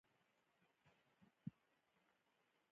پیلوټ د امنیت ټکي جدي نیسي.